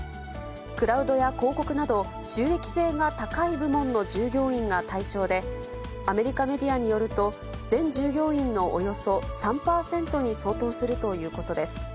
クラウドや広告など、収益性が高い部門の従業員が対象で、アメリカメディアによると、全従業員のおよそ３％に相当するということです。